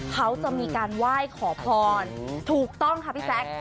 เขาจะมีการไหว้ขอพรถูกต้องค่ะพี่แจ๊ค